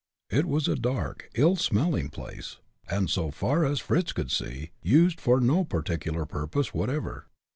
It was a dark, ill smelling place, and so far as Fritz could see, used for no particular purpose whatever.